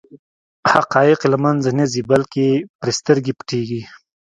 حقایق له منځه نه ځي بلکې پرې سترګې پټېږي.